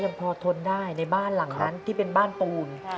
พอทนได้ในบ้านหลังนั้นที่เป็นบ้านปูน